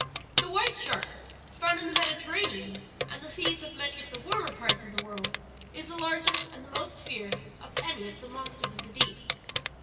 "The white shark, found in the Mediterranean and the seas of many of the warmer parts of the world, is the largest and the most feared of any of the monsters of the deep.